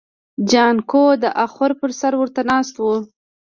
جانکو د اخور پر سر ورته ناست و.